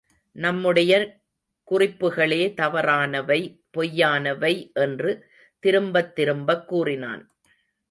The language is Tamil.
நம்முடைய குறிப்புக்களே தவறானவை, பொய்யானவை என்று திரும்பத் திரும்பக் கூறினான்.